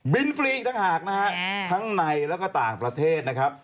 ฟรีอีกต่างหากนะฮะทั้งในแล้วก็ต่างประเทศนะครับ